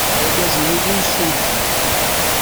Argaz-inu d imsujji.